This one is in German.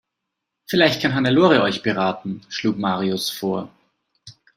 "Vielleicht kann Hannelore euch beraten", schlug Marius vor.